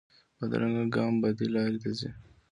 بدرنګه ګام بدې لارې ته ځي